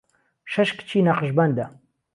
شهش کچی نهقشبهنده